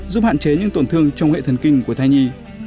giúp hạn chế những tổn thương trong nghệ thần kinh của thai nhi